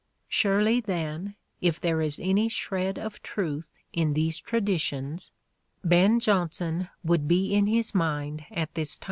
Surely, then, if there is any shred of truth in these traditions, Ben Jonson would be in his mind at the time.